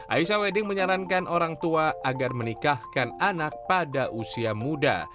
aisya wedding menyarankan orang tua agar menikahkan anak pada usia muda